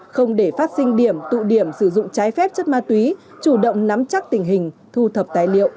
không để phát sinh điểm tụ điểm sử dụng trái phép chất ma túy chủ động nắm chắc tình hình thu thập tài liệu